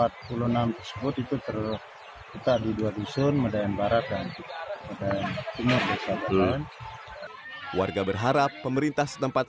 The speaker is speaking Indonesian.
empat puluh enam tersebut itu terlalu kita di dua dusun madaan barat dan dan warga berharap pemerintah setempat